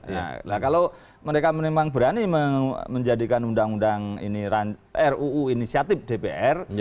nah kalau mereka memang berani menjadikan undang undang ini ruu inisiatif dpr